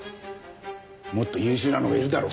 もっと優秀なのがいるだろう